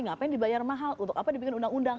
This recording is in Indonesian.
ngapain dibayar mahal untuk apa dibikin undang undang